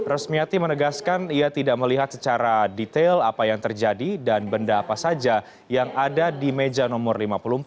resmiati menegaskan ia tidak melihat secara detail apa yang terjadi dan benda apa saja yang ada di meja nomor lima puluh empat